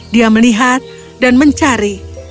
dia melihat dan mencari